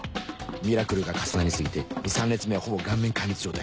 ミラクルが重なり過ぎて２３列目はほぼ顔面壊滅状態